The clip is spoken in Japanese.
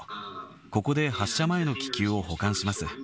ここで発射前の気球を保管します。